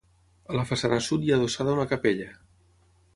A la façana sud hi ha adossada una capella.